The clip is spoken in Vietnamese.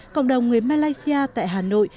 cộng đồng người malaysia tại hà nội